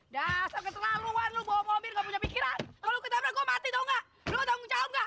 dasar keterlaluan lo bawa mobil gak punya pikiran kalo lu ketabrak gua mati tau gak lo tau ngejauh gak